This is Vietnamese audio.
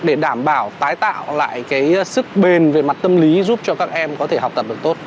để đảm bảo tái tạo lại sức bền về mặt tâm lý giúp cho các em có thể học tập được tốt